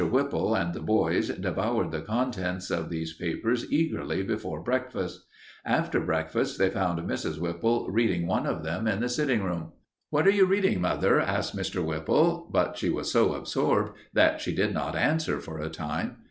Whipple and the boys devoured the contents of these papers eagerly before breakfast. After breakfast they found Mrs. Whipple reading one of them in the sitting room. "What are you reading, mother?" asked Mr. Whipple, but she was so absorbed that she did not answer for a time.